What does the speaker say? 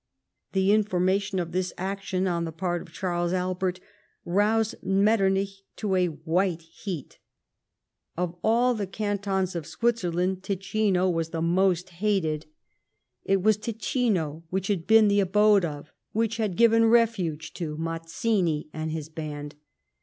The information of this action on the part of Charles Albert roused Metternich to a white heat. Of all the cantons of Switzerland Ticino was the most hated. It N 2 180 LIFE OF PBINCE METTEBNICH. was Ticino whicli bad been tbe abode of, wbich bad given refuge to, Mazzini and bis band.